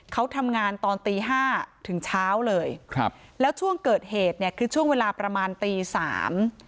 เขาทำงานตอนตีห้าถึงเช้าเลยครับแล้วช่วงเกิดเหตุเนี่ยคือช่วงเวลาประมาณตีสาม